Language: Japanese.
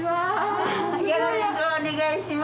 よろしくお願いします。